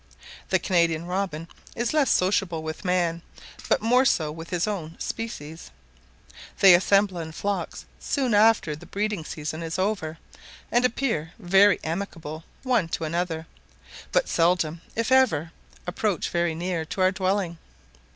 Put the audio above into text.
The Canadian robin is less sociable with man, but more so with his own species: they assemble in flocks soon after the breeding season is over, and appear very amicable one to another; but seldom, if ever, approach very near to our dwelling.